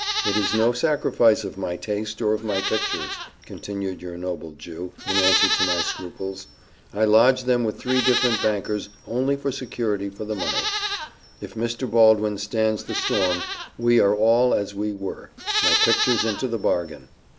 It is no sacrifice of my taste or of my pictures,' continued your noble Jew, in answer to my scruples: 'I lodge them with three different bankers only for security for the money. If Mr. Baldwin stands the storm, we are all as we were my pictures into the bargain.